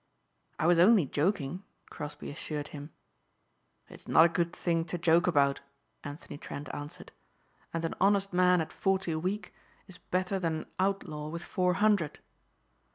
"I was only joking," Crosbeigh assured him. "It is not a good thing to joke about," Anthony Trent answered, "and an honest man at forty a week is better than an outlaw with four hundred."